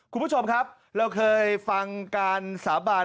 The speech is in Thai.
คุณผู้ชมครับเราเคยฟังการสาบาน